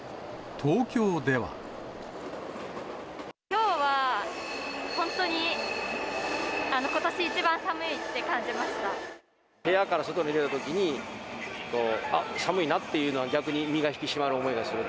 きょうは本当に、ことし一番部屋から外に出たときに、あっ、寒いなっていうのは、逆に身が引き締まる思いがするっ